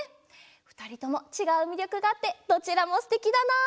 ふたりともちがうみりょくがあってどちらもすてきだな！